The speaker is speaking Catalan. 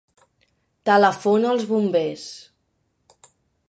Telefona als bombers.